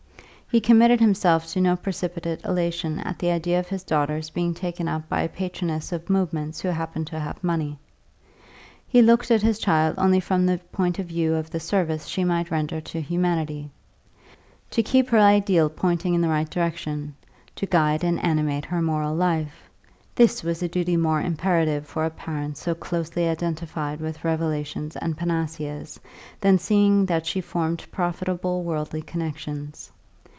He committed himself to no precipitate elation at the idea of his daughter's being taken up by a patroness of movements who happened to have money; he looked at his child only from the point of view of the service she might render to humanity. To keep her ideal pointing in the right direction, to guide and animate her moral life this was a duty more imperative for a parent so closely identified with revelations and panaceas than seeing that she formed profitable worldly connexions.